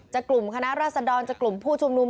กลุ่มคณะราษดรจะกลุ่มผู้ชุมนุม